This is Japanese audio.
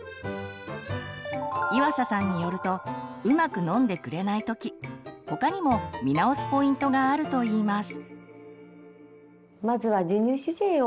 岩佐さんによるとうまく飲んでくれない時他にも見直すポイントがあると言います。